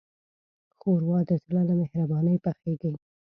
ښوروا د زړه له مهربانۍ پخیږي.